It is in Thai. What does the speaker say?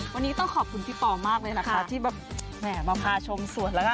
วันนี้ต้องขอบคุณพี่ปอล์มากเลยนะที่มาพาชมสวนแล้ว